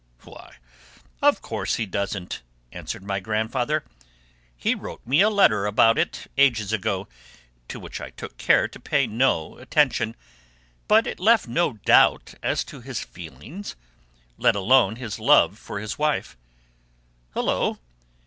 "Why, of course he doesn't," answered my grandfather. "He wrote me a letter about it, ages ago, to which I took care to pay no attention, but it left no doubt as to his feelings, let alone his love for his wife. Hullo!